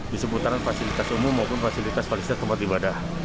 di seputaran fasilitas umum maupun fasilitas fasilitas tempat ibadah